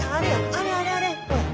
あれあれあれ！